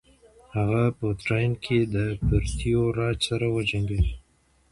هغه په تراین کې د پرتیوي راج سره وجنګید.